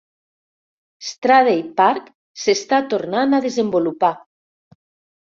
Stradey Park s'està tornant a desenvolupar.